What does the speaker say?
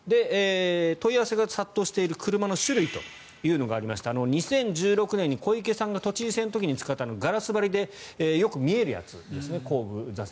問い合わせが殺到している車の種類というのがありまして２０１６年に小池さんが都知事選の時に使ったガラス張りでよく見えるやつですね